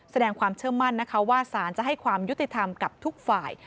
แสดงความเชื่อมั่นนะคะว่าสารจะให้ความยุติธรรมกับทุกฝ่าย